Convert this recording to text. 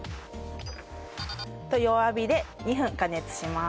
弱火で２分加熱します。